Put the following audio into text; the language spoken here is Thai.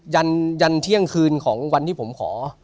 ยันเที่ยงคืนของวันที่ผมขอ